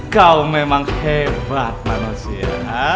kau memang hebat manusia